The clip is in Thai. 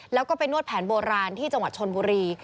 แล้วก็ไปนวดแผนโบราณที่จังหวัดชนบุรี